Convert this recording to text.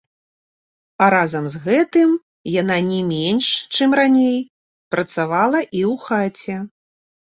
А разам з гэтым яна не менш, чым раней, працавала і ў хаце.